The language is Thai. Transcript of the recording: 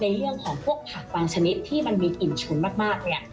ในเรื่องของพวกผักบางชนิดที่มันมีกลิ่นฉุนมากเนี่ย